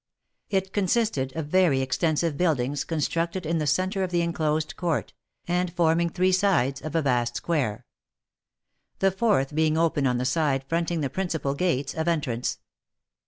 It consisted of very extensive buildings constructed in the centre of the enclosed court, and forming three sides of a vast square ; the fourth being open on the side fronting the principal gates of en trance.